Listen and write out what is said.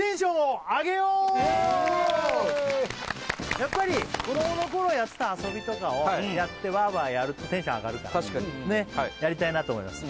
やっぱり子供の頃やってた遊びとかをやってワーワーやるとテンション上がるから確かにねっやりたいなと思います